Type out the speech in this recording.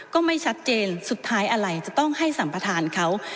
ก็ไม่ชัดเจนสุดท้ายอะไรจะต้องให้สัมประธานเขา